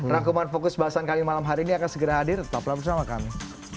rangkuman fokus bahasan kami malam hari ini akan segera hadir tetaplah bersama kami